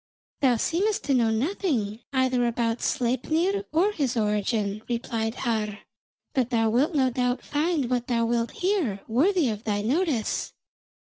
"Thou seemest to know nothing either about Sleipnir or his origin," replied Har, "but thou wilt no doubt find what thou wilt hear worthy of thy notice.